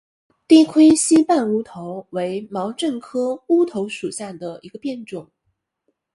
低盔膝瓣乌头为毛茛科乌头属下的一个变种。